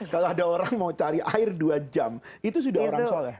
kalau ada orang mau cari air dua jam itu sudah orang soleh